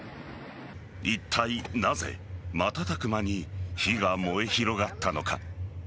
いったい、なぜ瞬く間に火が燃え広がったのか。